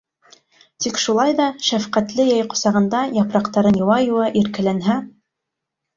Тик шулай ҙа, шәфҡәтле йәй ҡосағында Япраҡтарын йыуа-йыуа иркәләнһә...